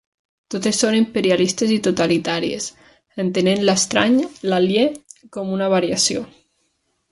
Totes són imperialistes i totalitàries, entenent l'estrany, l'aliè, com una variació.